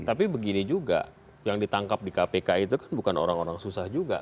tapi begini juga yang ditangkap di kpk itu kan bukan orang orang susah juga